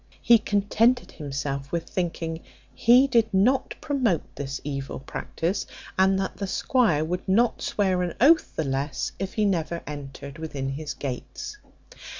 He contented himself with thinking he did not promote this evil practice, and that the squire would not swear an oath the less, if he never entered within his gates.